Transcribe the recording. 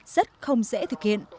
rất không dễ thực hiện